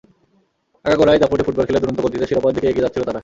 আগাগোড়াই দাপুটে ফুটবল খেলে দুরন্ত গতিতে শিরোপার দিকে এগিয়ে যাচ্ছিল তারা।